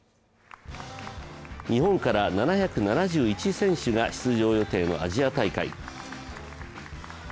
日本から７７１選手が出場予定のアジア大会。